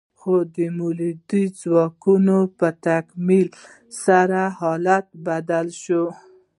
خو د مؤلده ځواکونو په تکامل سره حالت بدل شو.